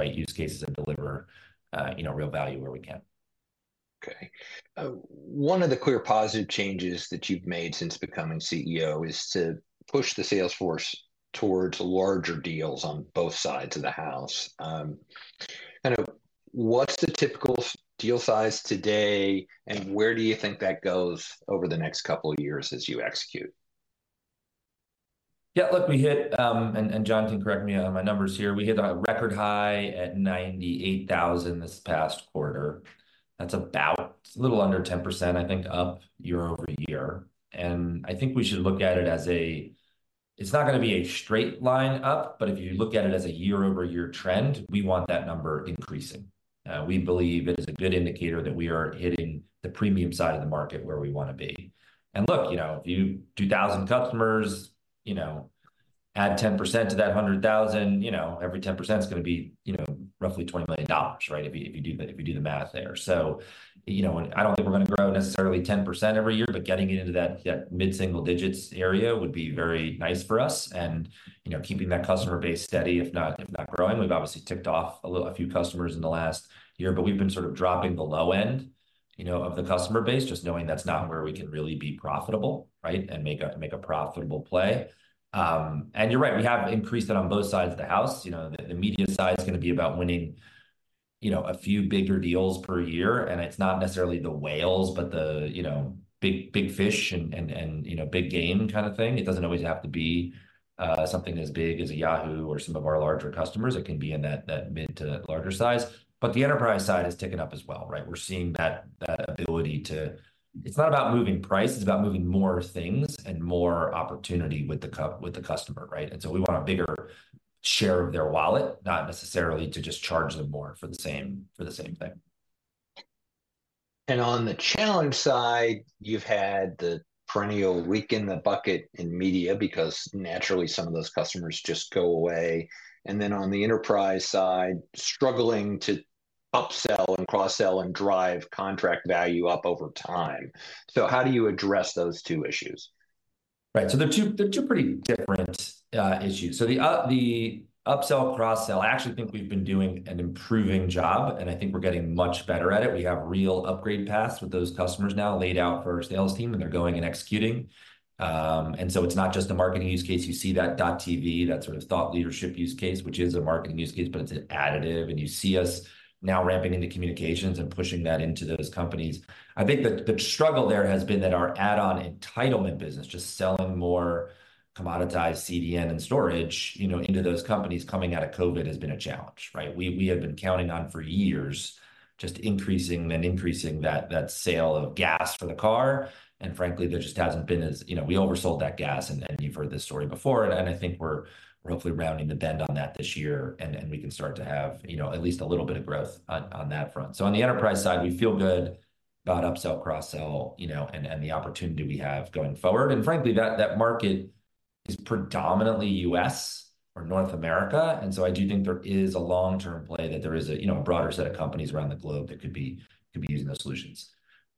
Right. Use cases and deliver, you know, real value where we can. Okay. One of the clear positive changes that you've made since becoming CEO is to push the sales force towards larger deals on both sides of the house. Kind of what's the typical deal size today and where do you think that goes over the next couple years as you execute? Yeah, look, we hit, and John can correct me on my numbers here, we hit a record high at 98,000 this past quarter. That's about a little under 10% I think up year-over-year and I think we should look at it as a, it's not going to be a straight line up. But if you look at it as a year-over-year trend, we want that number increasing. We believe it is a good indicator that we are hitting the premium side of the market where we want to be. And look, you know, if you 2,000 customers, you know, add 10% to that 100,000, you know, every 10 is going to be, you know, roughly $20 million. Right. If you do that, if you do the math there. So, you know, I don't think we're going to grow necessarily 10% every year, but getting it into that mid single digits area would be very nice for us and you know, keeping that customer base steady if not, if not growing. We've obviously ticked off a few customers in the last year, but we've been sort of dropping the low end, you know, of the customer base just knowing that's not where we can really be profitable. Right. And make a profitable play. And you're right, we have increased it on both sides of the house. You know, the media side is going to be about winning, you know, a few bigger deals per year. And it's not necessarily the whales, but the, you know, big, big fish and you know, big game kind of thing. It doesn't always have to be something as big as a Yahoo or some of our larger customers. It can be in that mid- to larger size. But the enterprise side is ticking up as well. Right. We're seeing that ability to—it's not about moving price, it's about moving more things and more opportunity with the customer. Right. And so we want a bigger share of their wallet, not necessarily to just charge them more for the same thing. And on the challenge side, you've had the perennial hole in the bucket in media because naturally some of those customers just go away. And then on the enterprise side, struggling to upsell and cross-sell and drive contract value up over time. So how do you address those two issues? Right. So they're two, they're two pretty different issues. So the, the upsell cross sell, I actually think we've been doing an improving job and I think we're getting much better at it. We have real upgrade paths with those customers now laid out for our sales team and they're going and executing. And so it's not just a marketing use case. You see that TV, that sort of thought leadership use case which is a marketing use case but it's an additive and you see us now ramping into communications and pushing that into those companies. I think that the struggle there has been that our add on entitlement business just selling more commoditized CDN and storage into those companies coming out of COVID has been a challenge. Right. We have been counting on for years just increasing and increasing that sale of gas for the car and frankly there just hasn't been as we oversold that gas and you've heard this story before and I think we're hopefully rounding the bend on that this year and we can start to have at least a little bit of growth on that front. So on the enterprise side feel good about upsell cross sell, you know and, and the opportunity we have going forward and frankly that that market is predominantly US or North America. And so I do think there is a long term play that there is a, you know, a broader set of companies around the globe that could be, could be using those solutions.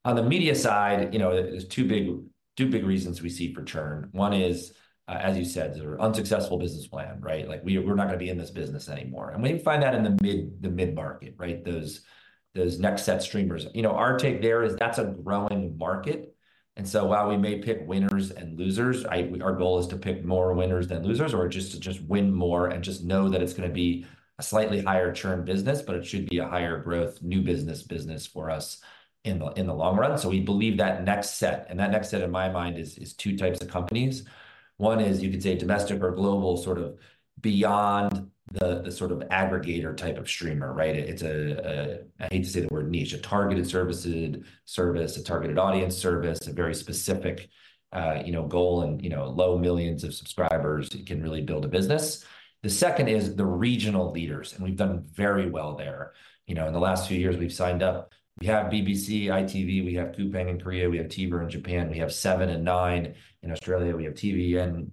On the media side, you know there's two big, two big reasons we see for churn. One is as you said, unsuccessful business plan. Right. Like we're not going to be in this business anymore and we find that in the mid market, right? Those next set streamers, you know our take there is that's a growing market. And so while we may pick winners and losers, our goal is to pick more winners than losers or just to win more and just know that it's going to be a slightly higher churn business but it should be a higher growth new business business for us in the long run. So we believe that next set and that next set in my mind is two types of companies. One is you could say domestic or global sort of beyond the sort of aggregator type of streamer. Right. It's a, I hate to say the word niche, a targeted services service, a targeted audience service, a very specific, you know, goal and you know, low millions of subscribers can really build a business. The second is the regional leaders and we've done very well there, you know, in the last few years we've signed up, we have BBC, ITV, we have Coupang in Korea, we have TVer in Japan, we have 7 and 9 in Australia, we have TVNZ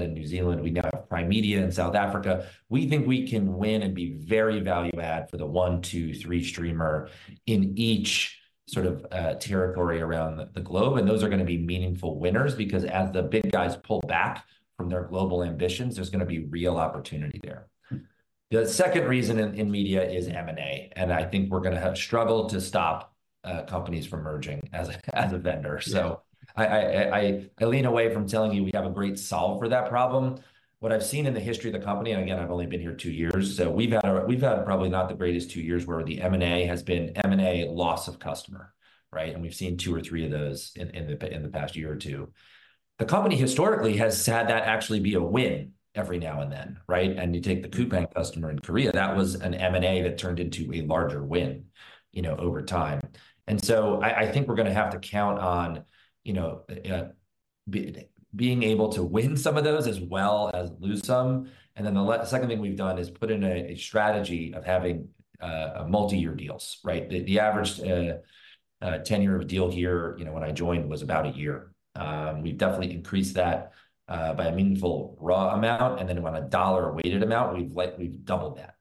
in New Zealand, we now have Primedia in South Africa. We think we can win and be very value add for the 1, 2, 3 streamer in each sort of territory around the globe. And those are going to be meaningful winners because as the big guys pull back from their global ambitions, there's going to be real opportunity there. The second reason in media is M&A and I think we're going to have struggled to stop companies from merging as a vendor. So I lean away from telling you we have a great solve for that problem. What I've seen in the history of the company and again I've only been here two years so we've had probably not the greatest two years where the M&A has been M and a loss of customer, right. We've seen two or three of those in the past year or two. The company historically has had that actually be a win every now and then, right. You take the Coupang customer in Korea, that was an M&A that turned into a larger win, you know, over time. And so I think we're going to have to count on, you know, being able to win some of those as well as lose some. Then the second thing we've done is put in a strategy of having multi-year deals, right? The average tenure of deal here, you know, when I joined was about a year. We've definitely increased that by a meaningful raw amount and then on a dollar-weighted amount we've doubled that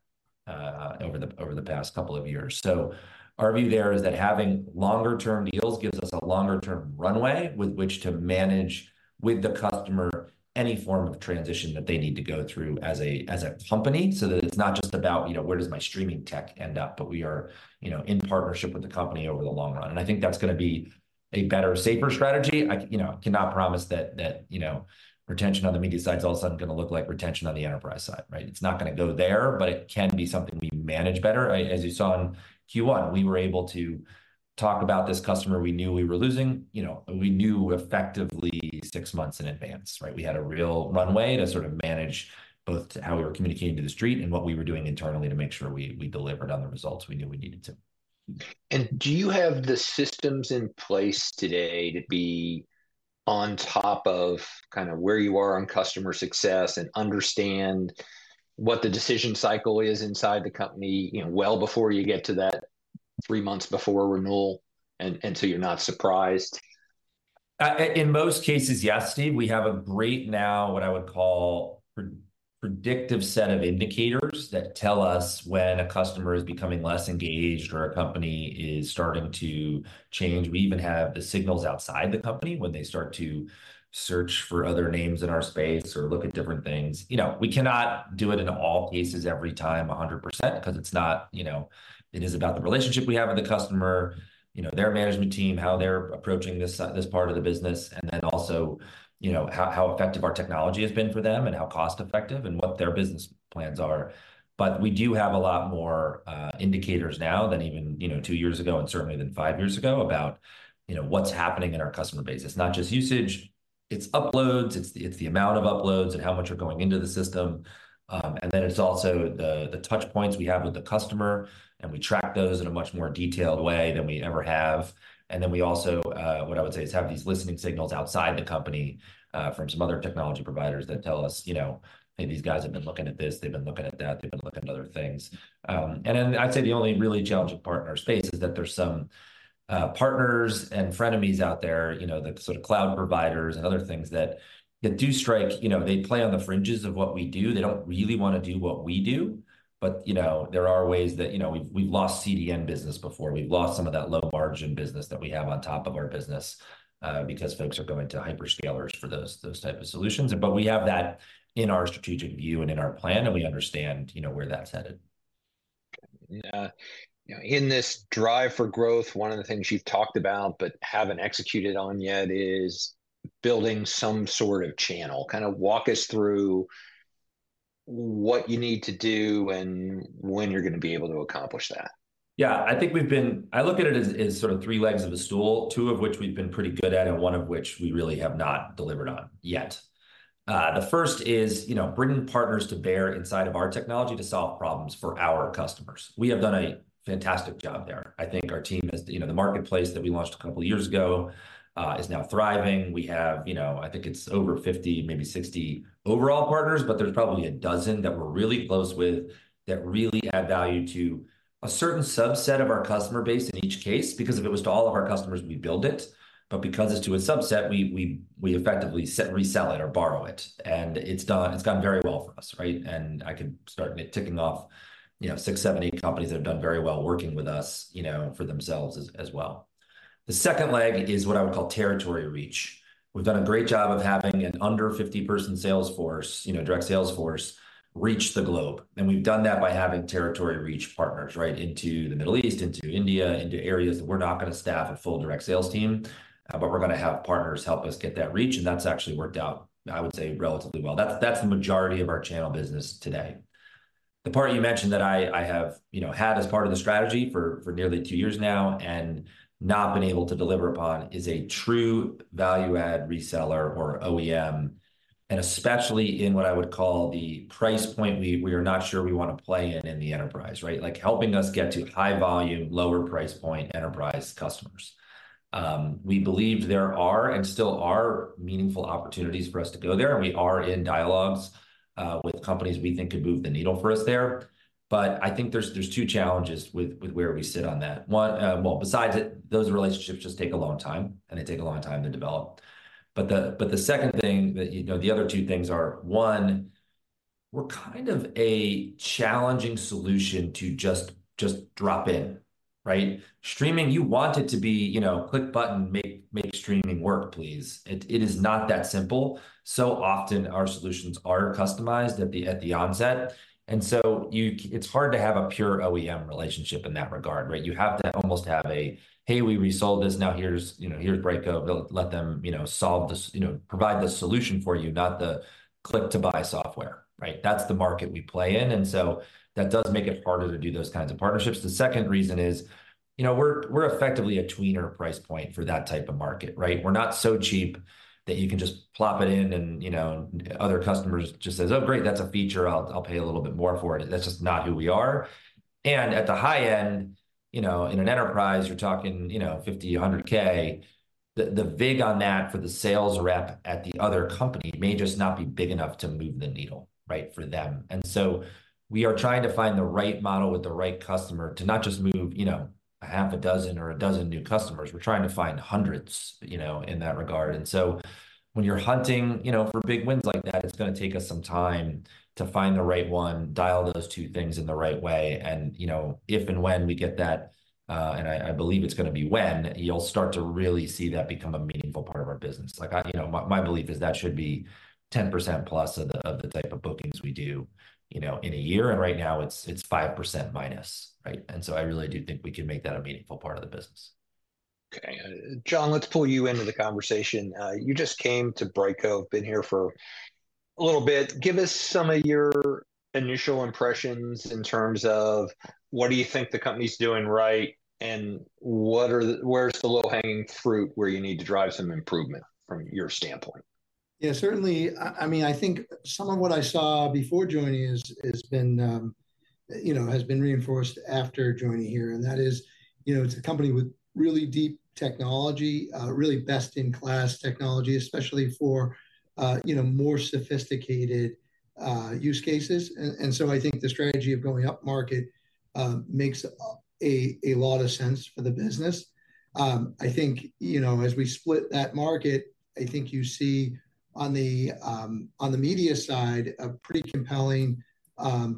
over the past couple of years. So our view there is that having longer term deals gives us a longer term runway with which to manage with the customer any form of transition that they need to go through as a, as a company so that it's not just about, you know, where does my streaming tech end up, but we are, you know, in partnership with the company over the long run and I think that's going to be a better, safer strategy. I, you know, I cannot promise that that, you know, retention on the media side is also going to look like retention on the enterprise side. Right. It's not going to go there, but it can be something we manage better. As you saw in Q1, we were able to talk about this customer we knew we were losing, you know, we knew effectively six months in advance, right. We had a real runway to sort of manage both how we were communicating to the street and what we were doing internally to make sure we delivered on the results we knew we needed to. Do you have the systems in place today to be on top of kind of where you are on customer success and understand what the decision cycle is inside the company well before you get to that, three months before renewal? And so you're not surprised in most cases? Yes, Steve, we have a great now what I would call predictive set of indicators that tell us when a customer is becoming less engaged or a company is starting to change. We even have the signals outside the company when they start to search for other names in our space or look at different things. You know, we cannot do it in all cases, every time 100% because it's not, you know, it is about the relationship we have with the customer, you know, their management team, how they're approaching this, this part of the business and then also, you know, how effective our technology has been for them and how cost effective and what their business plans are. But we do have a lot more indicators now than even, you know, 2 years ago and certainly than 5 years ago about, you know, what's happening in our customer base. It's not just usage, it's uploads, it's the amount of uploads and how much are going into the system. And then it's also the touch points we have with the customer and we track those in a much more detailed way than we ever have. And then we also, what I would say is have these listening signals outside the company from some other technology providers that tell us, you know, hey, these guys have been looking at this, they've been looking at that, they've been looking at other things. And then I'd say the only really challenging part in our space is that there's some partners and frenemies out there. You know, the sort of cloud providers and other things that do strike, you know, they play on the fringes of what we do. They don't really want to do what we do. But you know, there are ways that, you know, we've lost CDN business before. We've lost some of that low-margin business that we have on top of our business because folks are going to hyperscalers for those, those type of solutions. But we have that in our strategic view and in our plan and we understand, you know, where that's headed. In this drive for growth. One of the things you've talked about but haven't executed on yet is building some sort of channel, kind of walk us through what you need to do and when you're going to be able to accomplish that. Yeah, I think we've been. I look at it as sort of three legs of a stool, two of which we've been pretty good at and one of which we really have not delivered on yet. The first is, you know, bringing partners to bear inside of our technology to solve problems for our customers. We have done a fantastic job there. I think our team has, you know, the marketplace that we launched a couple years ago is now thriving. We have, you know, I think it's over 50, maybe 60 overall partners, but there's probably 12 that we're really close with that really add value to a certain subset of our customer base in each case. Because if it was to all of our customers, we build it, but because it's to a subset, we effectively sell, resell it or borrow it and it's done, it's gone very well for us. Right. And I could start ticking off, you know, 6, 7, 8 companies that have done very well working with us, you know, for themselves as well. The second leg is what I would call Territory Reach. We've done a great job of having an under 50 person sales force, you know, direct sales force, reach the globe. And we've done that by having Territory Reach partners right into the Middle East, into India, into areas that we're not going to staff a full direct sales team, but we're going to have partners help us get that reach. And that's actually worked out, I would say, relatively well. That's, that's the majority of our channel business today. The part you mentioned that I have, you know, had as part of the strategy for nearly two years now and not been able to deliver upon is a true value add reseller or OEM. And especially in what I would call the price point, we are not sure we want to play in, in the enterprise. Right. Like helping us get to high volume, lower price point, enterprise customers. We believe there are and still are meaningful opportunities for us to go there. And we are in dialogues with companies we think could move the needle for us there. But I think there's, there's two challenges with where we sit on that one. Well, besides it, those relationships just take a long, they take a long time to develop. But the second thing that, you know, the other two things are, one, we're kind of a challenging solution to just drop in, right. Streaming, you want it to be, you know, click button, make streaming work. Believe it, it is not that simple. So often our solutions are customized at the onset. And so it's hard to have a pure OEM relationship in that regard. Right. You have to almost have a, hey, we resold this. Now here's, you know, here's Brightcove. Let them, you know, provide the solution for you. Not the click to buy software. Right. That's the market we play in. And so that does make it harder to do those kinds of partnerships. The second reason is, you know, we're effectively a tweener price point for that type of market. Right. We're not so cheap that you can just plop it in and you know, other customers just says, oh great, that's a feature. I'll, I'll pay a little bit more for it. That's just not who we are. And at the high end, you know, in an enterprise, you're talking, you know, $50,000-$100,000, the, the vig on that for the sales rep at the other company may just not be big enough to move the needle right for them. And so we are trying to find the right model with the right customer to not just move, you know, a half a dozen or a dozen new customers. We're trying to find hundreds, you know, in that regard. And so when you're hunting, you know, for big wins like that, it's going to take us some time to find the right one, dial those two things in the right way and you know, if and when we get that, and I believe it's going to be when you'll start to really see that become a meaningful part of our business. Like, you know, my belief is that should be 10% plus of the type of bookings we do, you know, in a year. And right now it's, it's 5% minus. Right. And so I really do think we can make that a meaningful part of the business. Okay, John, let's pull you into the conversation. You just came to Brightcove. Been here for a little bit. Give us some of your initial impressions in terms of what do you think the company's doing right, and what are, where's the low-hanging fruit? Where you need to drive some improvement from your standpoint? Yeah, certainly. I mean, I think some of what I saw before joining has been, you know, has been reinforced after joining here. And that is, you know, it's a company with really deep technology, really best in class technology, especially for, you know, more sophisticated use cases. And so I think the strategy of going up market makes a lot of sense for the business. I think, you know, as we split that market, I think you see on the, on the media side, a pretty compelling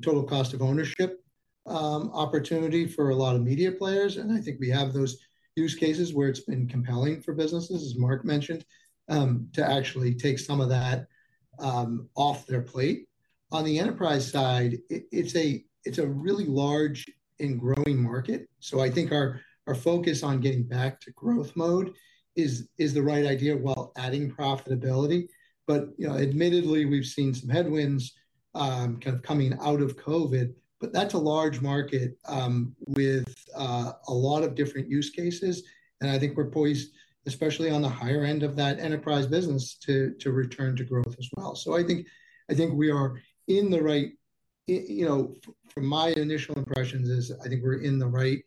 total cost of ownership opportunity for a lot of media players. And I think we have those use cases where it's been compelling for businesses, as Marc mentioned, to actually take some of that off their plate. On the enterprise side, it's a really large and growing market. So I think our focus on getting back to growth mode is the right idea while adding profitability. But admittedly, we've seen some headwinds coming out of COVID, but that's a large market with a lot of different use cases. And I think we're poised, especially on the higher end of that enterprise business, to return to growth as well. So I think, I think we are in the right, you know, from my initial impressions is I think we're in the right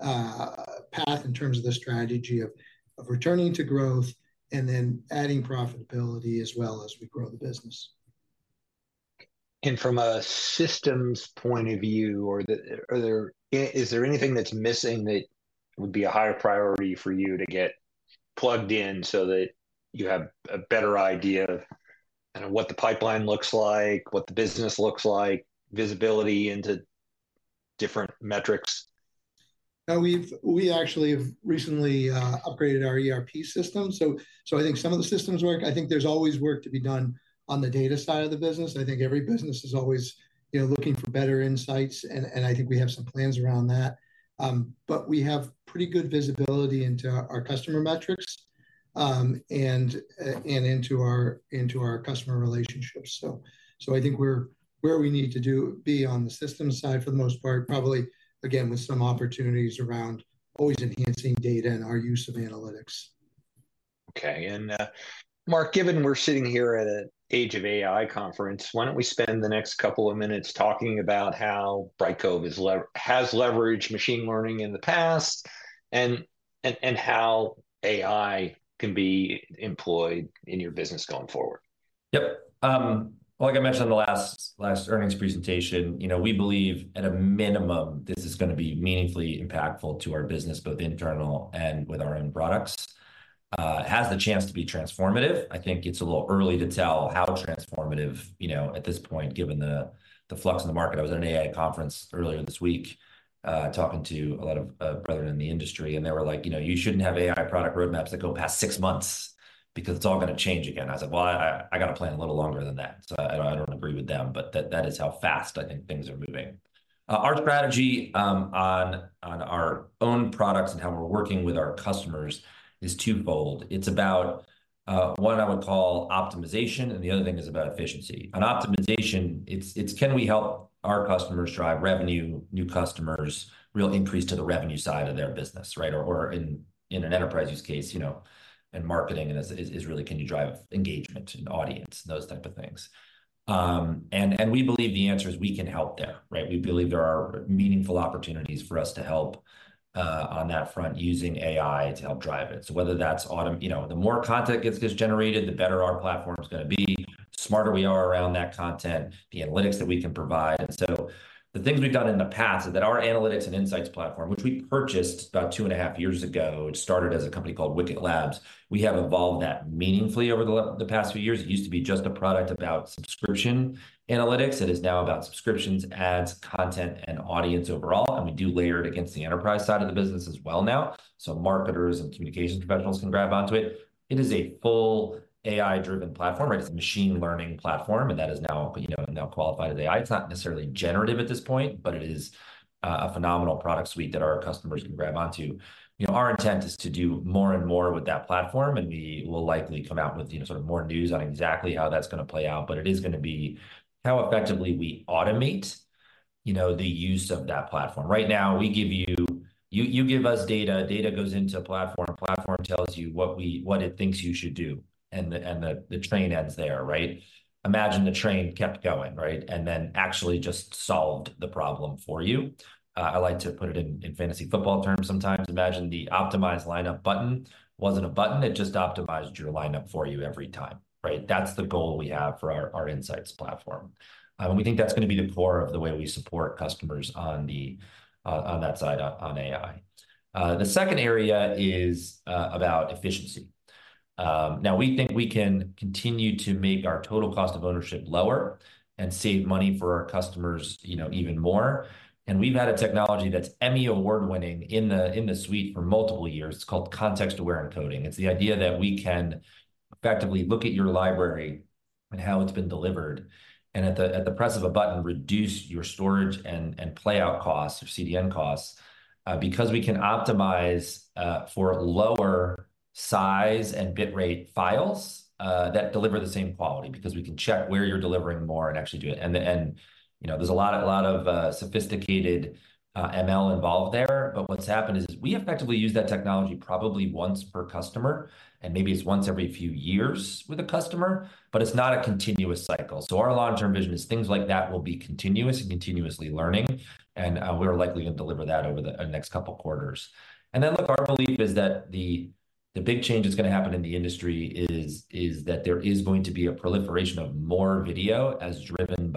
path in terms of the strategy of returning to growth and then adding profitability as well as we grow the business. From a systems point of view, is there anything that's missing that would be a higher priority for you to get plugged in so that you have a better idea of what the pipeline looks like, what the business looks like, visibility into different metrics? We actually have recently upgraded our ERP system, so I think some of the systems work. I think there's always work to be done on the data side of the business. I think every business is always, you know, looking for better insights and, and I think we have some plans around that, but we have pretty good visibility into our customer metrics and into our customer relationships. So I think we're where we need to do be on the system side for the most part, probably again, with some opportunities around always enhancing data and our use of analytics. Okay. Marc, given we're sitting here at an Age of AI conference, why don't we spend the next couple of minutes talking about how Brightcove has already leveraged machine learning in the past and how AI can be employed in your business going forward? Yep. Like I mentioned in the last earnings presentation, you know, we believe at a minimum, this is going to be meaningfully impactful to our business, both internal and with our own products, has the chance to be transformative. I think it's a little early to tell how transformative, you know, at this point, given the flux in the market. I was at an AI conference earlier this week talking to a lot of brethren in the industry, and they were like, you know, you shouldn't have AI product roadmaps that go past six months because it's all going to change again. I said, well, I got to plan a little longer than that. So I don't agree with them. But that is how fast I think things are moving. Our strategy on our own products and how we're working with our customers is twofold. It's about one I would call optimization. And the other thing is about efficiency on optimization. It's, it's can we help our customers drive revenue, new customers, real increase to the revenue side of their business. Right. Or in, in an enterprise use case, you know, and marketing and is really can you drive engagement and audience, those type of things. And, and we believe the answer is we can help there. Right? We believe there are meaningful opportunities for us to help on that front using AI to help drive it. So whether that's automation, you know, the more content gets generated, the better our platform is going to be smarter. We are around that content, the analytics that we can provide. And so the things we've done in the past is that our analytics and insights platform, which we purchased about two and a half years ago, it started as a company called Wicket Labs. We have evolved that meaningfully over the past few years. It used to be just a product about subscription analytics. It is now about subscriptions, ads, content and audience overall. And we do layer it against the enterprise side of the business as well now so marketers and communications professionals can grab onto it. It is a full AI-driven platform. It's a machine learning platform and that is now qualified as AI. It's not necessarily generative at this point, but it is a phenomenal product suite that our customers can grab onto. You know, our intent is to do more and more with that platform and we will likely come out with sort of more news on exactly how that's going to playout, but it is going to be how effectively we automate, you know, the use of that platform. Right now you give us data. Data goes into platform. Platform tells you what it thinks you should do and the train ends there, right? Imagine the train kept going, right. And then actually just solved the problem for you. I like to put it in fantasy football terms sometimes. Imagine the optimize lineup button wasn't a button. It just optimized your lineup for you every time. Right. That's the goal we have for our insights platform and we think that's going to be the core of the way we support customers on that side on AI. The second area is about efficiency. Now we think we can continue to make our total cost of ownership lower and save money for our customers, you know, even more. We've had a technology that's Emmy Award-winning in the suite for multiple years. It's called Context-Aware Encoding. It's the idea that we can effectively look at your library and how it's been delivered and at the press of a button, reduce your storage and playout costs or CDN costs because we can optimize for lower size and bit rate files that deliver the same quality because we can check where you're delivering more and actually do it. You know, there's a lot, a lot of sophisticated ML involved there. But what's happened is we effectively use that technology probably once per customer and maybe it's once every few years with a customer, but it's not a continuous cycle. So our long term vision is things like that will be continuous and continuously learning and we're likely to deliver that over the next couple quarters. And then look, our belief is that the big change that's going to happen in the industry is that there is going to be a proliferation of more video as driven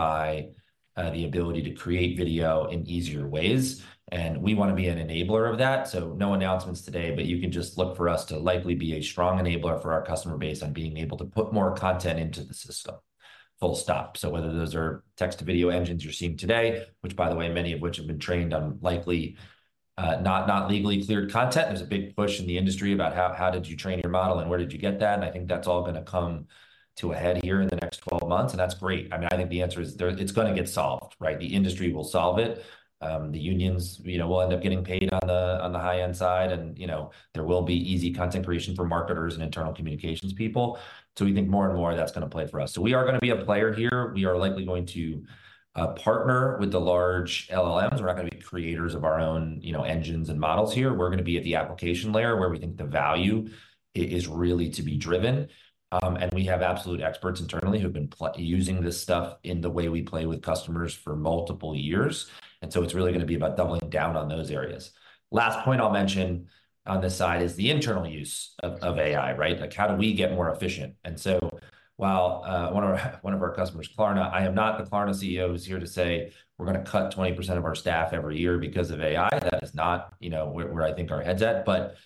by the ability to create video in easier ways and we want to be an enabler of that. So no announcements today, but you can just look for us to likely be a strong enabler for our customer base on being able to put more content into the system full stop. So whether those are text-to-video engines you're seeing today, which by the way, many of which have been trained on likely not legally cleared content, there's a big push in the industry about how did you train your model and where did you get that? And I think that's all going to come to a head here in the next 12 months and that's great. I mean, I think the answer is it's going to get solved, right? The industry will solve it. The unions, you know, will end up getting paid on the high end side and you know, there will be easy content creation for marketers and internal communications people. So we think more and more that's going to play for us. So we are going to be a player here. We are likely going to partner with the large LLMs. We're not going to be creators of our own, you know, engines and models here. We're going to be at the application layer where we think the value is really to be driven and we have absolute experts internally who've been using this stuff in the way we play with customers for multiple years. And so it's really going to be about doubling down on those areas. Last point I'll mention on this side is the internal use of AI, right. Like how do we get more efficient? And so while one of our customers, Klarna, I am not the Klarna CEO who's here to say we're going to cut 20% of our staff every year because of AI. That is not where I think our head's at, but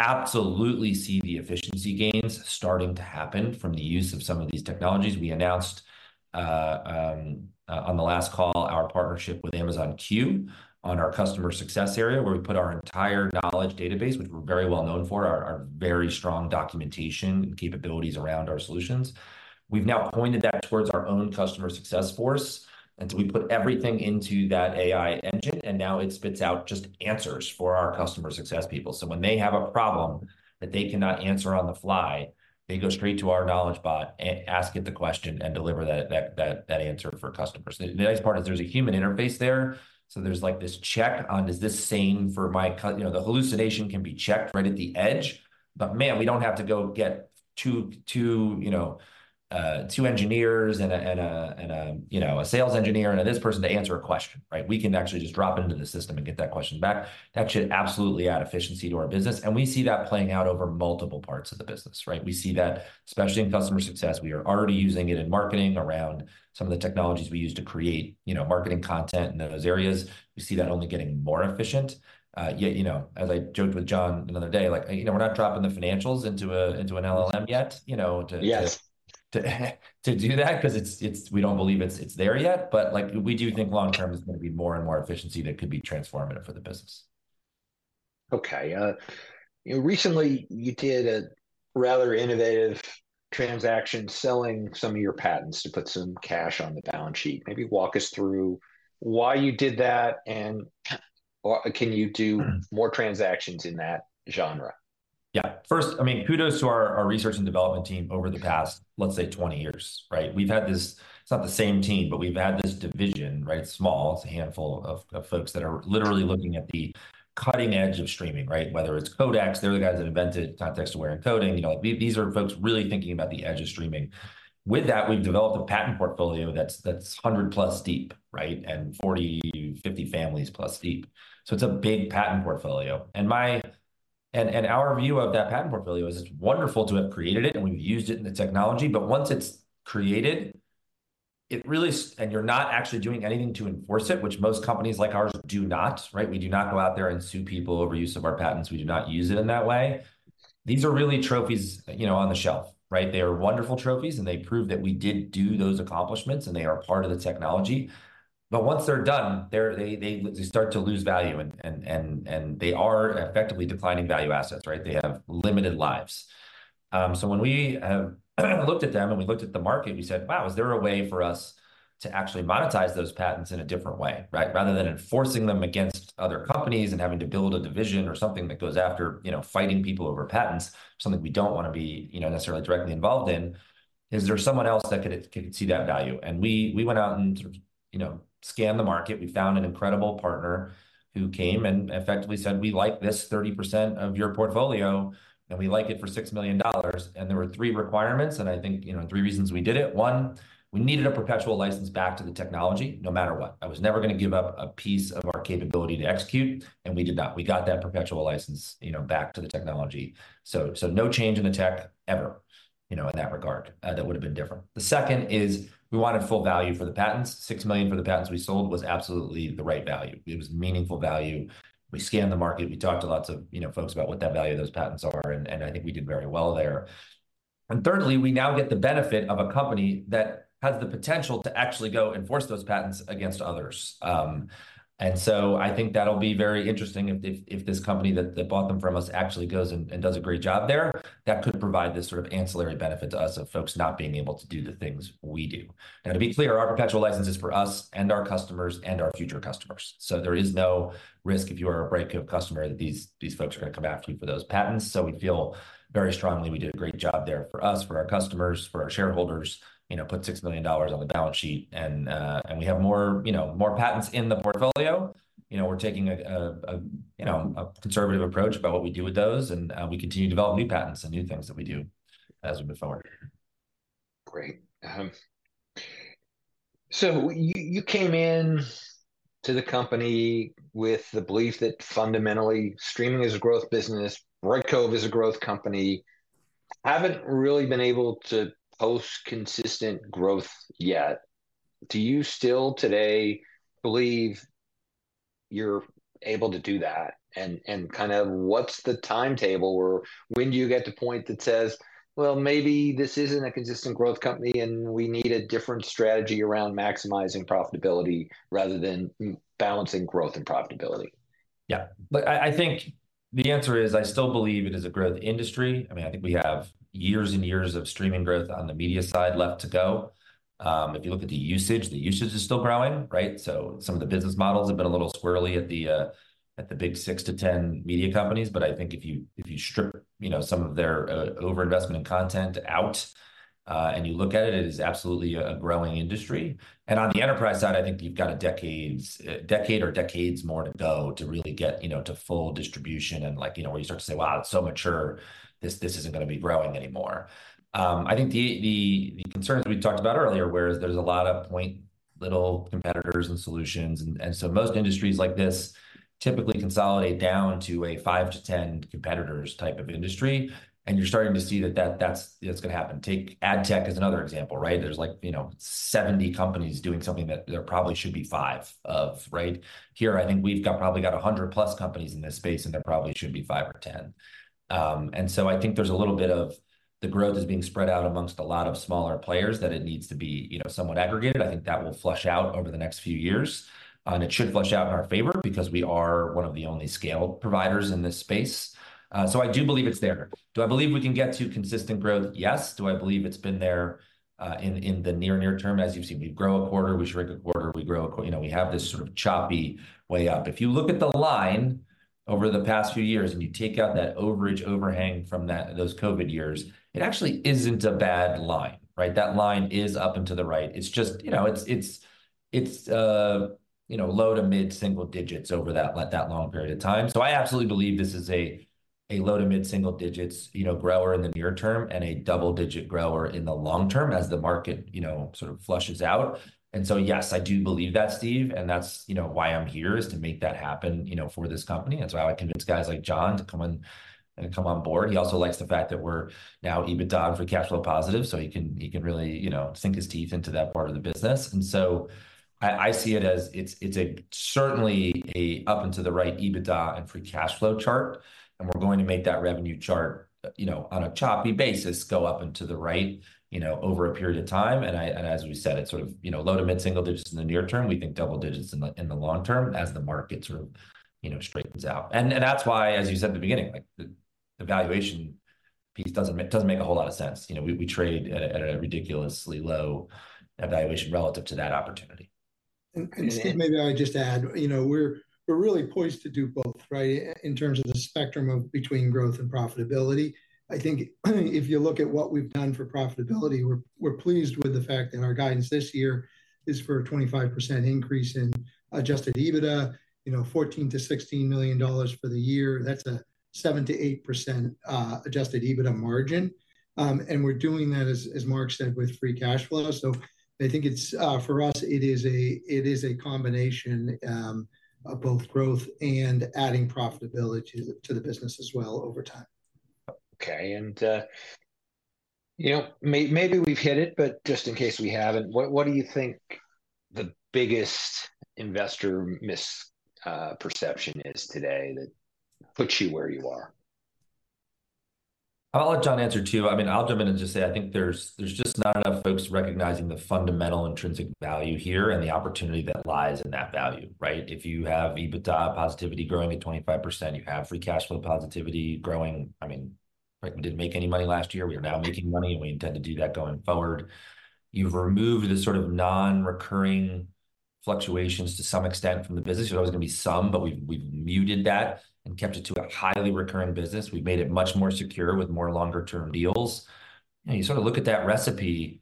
absolutely see the efficiency gains starting to happen from the use of some of these technologies. We announced on the last call our partnership with Amazon Q on our customer success area, where we put our entire knowledge database, which we're very well known for our very strong documentation and capabilities around our solutions. We've now pointed that towards our own customer success force. And so we put everything into that AI engine and now it spits out just answers for our customer success people. So when they have a problem that they cannot answer on the fly, they go straight to our knowledge bot, ask it the question and deliver that answer for customers. The nice part is there's a human interface there. So there's like this check on. Is this sane for my, you know, the hallucination can be checked right at the edge. But man, we don't have to go get 2, 2, you know, 2 engineers and a sales engineer and this person to answer a question. Right. We can actually just drop it into the system and get that question back. That should absolutely add efficiency to our business. We see that playing out over multiple parts of the business. Right. We see that especially in customer success. We are already using it in marketing around some of the technologies we use to create marketing content in those areas. We see that only getting more efficient yet, you know, as I joked with John another day, like, you know, we're not dropping the financials into a, into an LLM yet. You know, yes. To do that because it's, we don't believe it's there yet. But like we do think long term is going to be more and more efficiency that could be transformative for the business. Okay. Recently you did a rather innovative transaction selling some of your patents to put some cash on the balance sheet. Maybe walk us through why you did that and can you do more transactions in that genre? Yeah, first, I mean, kudos to our research and development team over the past, let's say 20 years. Right. We've had this, it's not the same team, but we've had this division, right. Small, it's a handful of folks that are literally looking at the cutting edge of streaming, right? Whether it's codecs, they're the guys that invented Context Aware Encoding. These are folks really thinking about the edge of streaming. With that, we've developed a patent portfolio that's, that's 100+ deep, right? And 40-50 families+ deep. So it's a big patent portfolio. And my, and, and our view of that patent portfolio is it's wonderful to have created it and we've used it in the technology, but once it's created it, really, and you're not actually doing anything to enforce it, which most companies like ours do not, right? We do not go out there and sue people over use of our patents. We do not use it in that way. These are really trophies, you know, on the shelf, right? They are wonderful trophies and they prove that we did do those accomplishments and they are part of the technology. But once they're done, they're, they start to lose value. And they are effectively declining value assets, right? They have limited lives. So when we have looked at them and we looked at the market, we said, wow, is there a way for us to actually monetize those patents in a different way? Right. Rather than enforcing them against other companies and having to build a division or something that goes after, you know, fighting people over patents, something we don't, you know, necessarily directly involved in. Is there someone else that could see that value? And we went out and, you know, scanned the market. We found an incredible partner who came and effectively said, we like this 30% of your portfolio and we like it for $6 million. And there were three requirements, and I think, you know, three reasons we did it. One, we needed a perpetual license back to the technology, no matter what. I was never going to give up a piece of our capability to execute. And we did not. We got that perpetual license, you know, back to the technology. So no change in the tech ever, you know, in that regard, that would have been different. The second is we wanted full value for the patents. $6 million for the patents we sold was absolutely the right value. It was meaningful value. We scanned the market, we talked to lots of, you know, folks about what that value of those patents are, and I think we did very well there. And thirdly, we now get the benefit of a company that has the potential to actually go enforce those patents against others. And so I think that'll be very interesting if, if this company that bought them from us actually goes and does a great job there, that could provide this sort of ancillary benefit to us of folks not being able to do the things we do now. To be clear, our perpetual license is for us and our customers and our future customers. So there is no risk if you are a Brightcove customer that these, these folks are going to come after you for those patents. So we feel very strongly, we did a great job there for us, for our customers, for our shareholders. You know, put $6 million on the balance sheet and we have more, you know, more patents in the portfolio. You know, we're taking a, you know, a conservative approach about what we do with those and we continue to develop new patents and new things that we do as we move forward. Great. So you came in to the company with the belief that fundamentally streaming is a growth business, Brightcove is a growth company. Haven't really been able to post consistent growth yet. Do you still today believe you're able to do that and kind of what's the timetable or when do you get to point that says, well, maybe this isn't a consistent and growth company and we need a different strategy around maximizing profitability rather than balancing growth and profitability? Yeah, but I think the answer is I still believe it is a growth industry. I mean, I think we have years and years of streaming growth on the media side left to go. If you look at the usage, the usage is still growing, right? So some of the business models have been a little squirrely at the, at the big 6-10 media companies. But I think if you, if you strip, you know, some of their over investment in content out and you look at it, it is absolutely a growing industry. And on the enterprise side, I think you've got a decades, decade or decades more to go to really get, you know, to full distribution. And like, you know, where you start to say, wow, it's so mature. This, this isn't going to be growing anymore. I think the concerns we talked about earlier, whereas there's a lot of point solutions and competitors. And so most industries like this typically consolidate down to a 5 to 10 competitors type of industry. And you're starting to see that that's going to happen. Take ad tech as another example, right? There's like, you know, 70 companies doing something that there probably should be five of right here. I think we've got, probably got 100+ companies in this space and there probably should be five or 10. And so I think there's a little bit of the growth is being spread out amongst a lot of smaller players than it needs to be, you know, somewhat aggregated. I think that will flesh out over the next few years and it should flesh out in our favor because we are one of the only scale provider in this space. So I do believe it's there. Do I believe we can get to consistent growth? Yes. Do I believe it's been there in the near term, as you've seen, we grow a quarter, we shrink a quarter, we grow a, you know, we have this sort of choppy way up. If you look at the line over the past few years and you take out that overage overhang from that, those COVID years, it actually isn't a bad line. Right? That line is up and to the right. It's just, you know, it's, it's, it's, you know, low to mid single digits over that, that long period of time. So I absolutely believe this is a low- to mid-single digits, you know, grower in the near term and a double-digit grower in the long term as the market, you know, sort of fleshes out. And so yes, I do believe that, Steve, and that's, you know, why I'm here is to make that happen, you know, for this company. That's why I would convince guys like John to come on board. He also likes the fact that we're now EBITDA- and cash flow-positive. So he can really, you know, sink his teeth into that part of the business. And so I see it as, it's certainly up and to the right EBITDA and free cash flow chart. And we're going to make that revenue chart on a choppy basis, go up and to the right over a period of time. As we said, it's low to mid single digits in the near term, we think double digits in the long term as the market straightens out. That's why, as you said at the beginning, the valuation piece doesn't make a whole lot of sense. We trade at a ridiculously low valuation relative to that opportunity. Maybe I just add, you know, we're really poised to do both, right in terms of the spectrum of, between growth and profitability. I think if you look at what we've done for profitability, we're pleased with the fact that our guidance this year is for a 25% increase in adjusted EBITDA, you know, $14 million-$16 million for the year. That's a 7%-8% adjusted EBITDA margin. And we're doing that, as Marc said, with free cash flow. So I think it's for us, it is a combination of both growth and adding profitability to the business as well over time. Okay, and maybe we've hit it, but just in case we haven't, what do you think the biggest investor misperception is today? That puts you where you are. I'll let John answer too. I mean, I'll jump in and just say I think there's just not enough folks recognizing the fundamental intrinsic value here, opportunity that lies in that value. Right. If you have EBITDA positivity growing at 25%, you have free cash flow positivity growing. I mean, we didn't make any money last year. We are now making money and we intend to do that going forward. You've removed the sort of non recurring fluctuations to some extent from the business. There was going to be some, but we've muted that and kept it to a highly recurring business. We've made it much more secure with more longer term deals. You sort of look at that recipe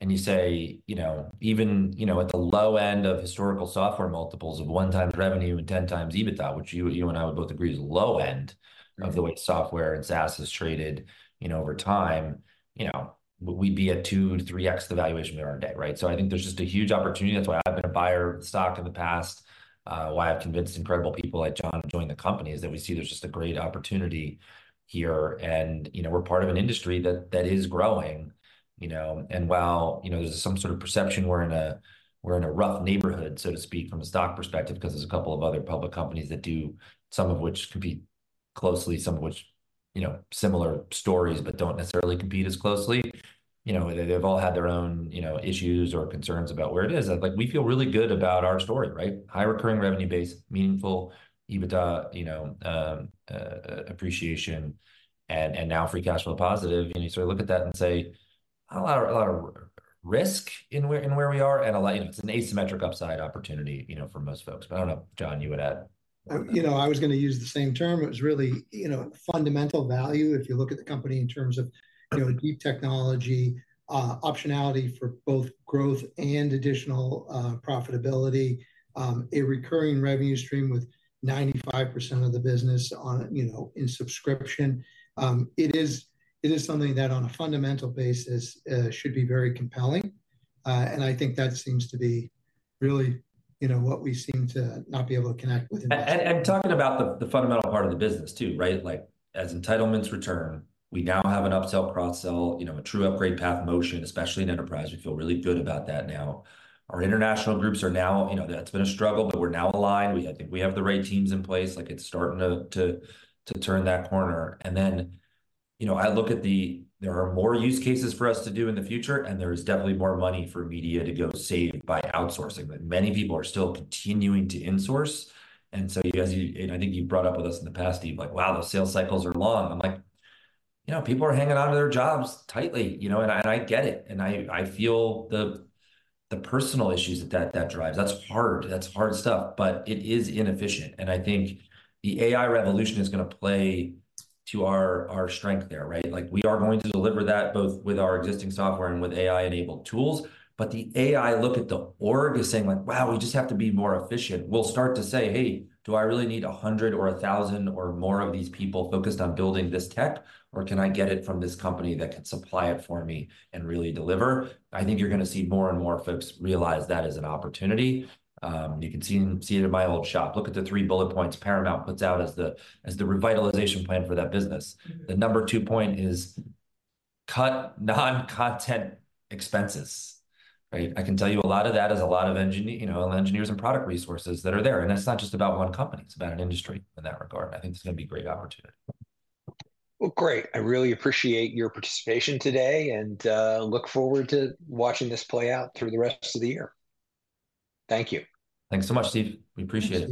and you say even at the low end of historical software multiples of 1x revenue and 10x EBITDA, which you and I would both agree is low end of the way software and SaaS is traded over time, we'd be at 2.3x the valuation we are in a day. I think there's just a huge opportunity. That's why I've been a buyer of stock in the past, why I've convinced incredible people like John to join the company, is that we see there's just a great opportunity here and we're part of an industry that is growing, you know, and while, you know, there's some sort of perception we're in a, we're in a rough neighborhood, so to speak, from a stock perspective because there's a couple of other public companies that do, some of which compete closely, some of which, you know, similar stories, but don't necessarily compete as closely. You know, they've all had their own, you know, issues or concerns about where it is. Like we feel really good about our story, right? High recurring revenue base, meaningful EBITDA, you know, appreciation and, and now free cash flow positive. You sort of look at that and say a lot of, a lot of risk in where we are and a lot, you know, it's an asymmetric upside opportunity, you know, for most folks. But I don't know, John, you would. And, you know, I was going to use the same term. It was really, you know, fundamental value if you look at the company in terms of, you know, deep technology optionality for both growth and additional profitability, a recurring revenue stream with 95% of the business on, you know, in subscription. It is, it is something that on a fundamental basis should be very compelling. And I think that seems to be really, you know, what we seem to not be able to connect with and. Talking about the fundamental part of the business too. Right. Like as entitlements return we now have an upsell cross sell, you know, a true upgrade path motion especially in enterprise. We feel really good about that now. Our international groups are now, you know, that's been a struggle but we're now aligned. We, I think we have the right teams in place. Like it's starting to turn that corner. And then you know I look at the, there are more use cases for us to do in the future and there is definitely more money for media to go save by outsourcing that many people are still continuing to insource. And so you guys and I think you brought up with us in the past, Steve, like wow, those sales cycles are long. I'm like, you know, people are hanging onto their jobs tightly, you know, and I get it and I feel the personal issues that drives. That's hard, that's hard stuff. But it is inefficient and I think the AI revolution is going to play to our strength there. Right. Like we are going to deliver that both with our existing software and with AI-enabled tools. But the AI look at the org is saying like wow, we just have to be more efficient. We'll start to say hey do I really need 100 or 1,000 or more of these people focused on building this tech or can I get it from this company that can supply it for me and really deliver. I think you're going to see more and more folks realize that opportunity. You can see, see it in my old shop. Look at the three bullet points Paramount puts out as the, as the revitalization plan for that business. The number two point is cut non-content expenses. Right. I can tell you a lot of that is a lot of engineering, you know, engineers and product resources that are there and it's not just about one company, it's about an industry. In that regard I think it's going to be a great opportunity. Well, great. I really appreciate your participation today and look forward to watching this play out through the rest of the year. Thank you. Thanks so much, Steve. We appreciate it.